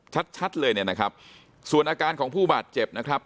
ชัดชัดเลยเนี่ยนะครับส่วนอาการของผู้บาดเจ็บนะครับ